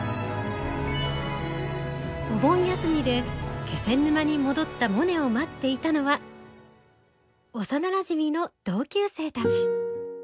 お盆休みで気仙沼に戻ったモネを待っていたのは幼なじみの同級生たち。